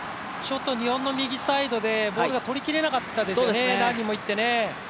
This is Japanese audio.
日本の右サイドでボールが取り切れなかったですね、何人も行ってね。